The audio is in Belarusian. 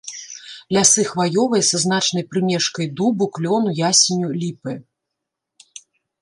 Лясы хваёвыя са значнай прымешкай дубу, клёну, ясеню, ліпы.